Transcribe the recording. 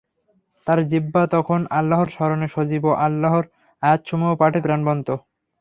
তার জিহ্বা তখন আল্লাহর স্মরণে সজীব ও আল্লাহর আয়াতসমূহ পাঠে প্রাণবন্ত।